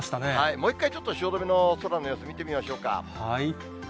もう一回ちょっと汐留の空の様子見てみましょうか。